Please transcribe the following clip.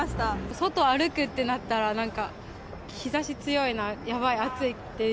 外歩くってなったら、なんか日ざし強いな、やばい、暑いっていう。